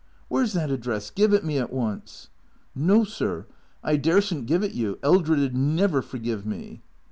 " Where 's that address? Give it me at once." " iSTo, sir, I darsen't give it vou. Eldred 'd never forgive me."